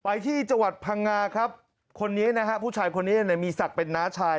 ไปที่จังหวัดพังงาครับคนนี้นะฮะผู้ชายคนนี้เนี่ยมีศักดิ์เป็นน้าชาย